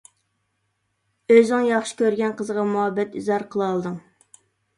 ئۆزۈڭ ياخشى كۆرگەن قىزغا مۇھەببەت ئىزھار قىلالىدىڭ.